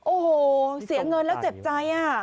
โอ้โหเสียเงินแล้วเจ็บใจ